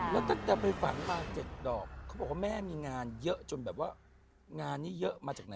แล้วตั้งแต่ไปฝังมา๗ดอกเขาบอกว่าแม่มีงานเยอะจนแบบว่างานนี้เยอะมาจากไหน